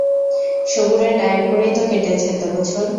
সবুরের diet করেই তো কেটেছে এত বছর।